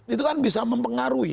itu kan bisa mempengaruhi